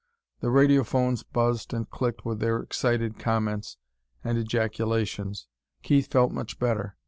The radiophones buzzed and clicked with their excited comments and ejaculations. Keith felt much better.